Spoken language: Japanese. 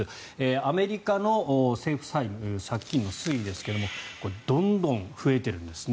アメリカの政府債務借金の推移ですけれどもどんどん増えているんですね。